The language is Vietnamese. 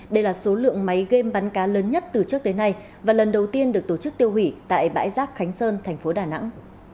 đây là số lượng máy game bắn cá lớn nhất từ trước tới nay và lần đầu tiên được tổ chức tiêu hủy tại bãi rác khánh sơn thành phố đà nẵng